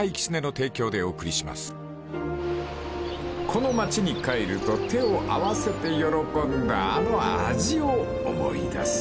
［この町に帰ると手を合わせて喜んだあの味を思い出す］